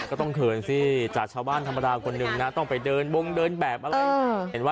ก็ต้องเขินสิจากชาวบ้านธรรมดาคนนึงนะ